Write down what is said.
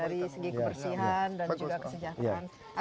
dari segi kebersihan dan juga kesejahteraan